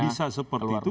bisa seperti itu